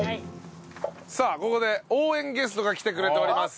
さあここで応援ゲストが来てくれております。